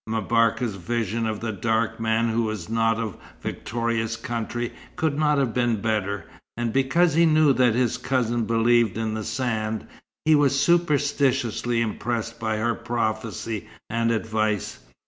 M'Barka's vision of the dark man who was not of Victoria's country could not have been better; and because he knew that his cousin believed in the sand, he was superstitiously impressed by her prophecy and advice.